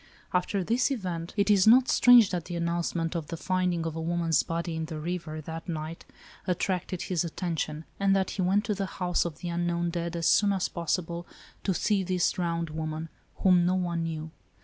After this event, it is not strange that the 84 ALICE ; OR, THE WAGES OF SIN. announcement of tho finding of a woman's body, in the river, that night, attracted his attention, and that he went to the house of the unknown dead, as soon as possible, to see this drowned woman, whom no one knew.